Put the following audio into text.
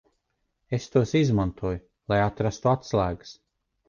Es tos izmantoju, lai atrastu atslēgas.